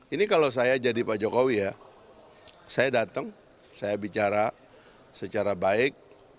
ini kalau saya jadi pak jokowi ya saya datang saya bicara secara baik